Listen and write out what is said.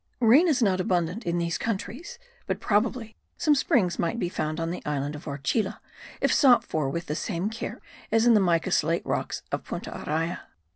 Rain is not abundant in these countries; but probably some springs might be found on the island of Orchila if sought for with the same care as in the mica slate rocks of Punta Araya.